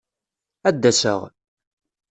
Ad d-aseɣ.